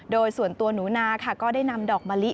โดยส่วนตัวหนูนาค่ะก็ได้นำดอกมะลิ